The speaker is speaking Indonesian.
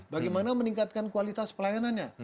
bagaimana meningkatkan kualitas pelayanannya